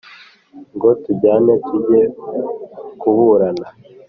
ngo tujyane tujye kuburana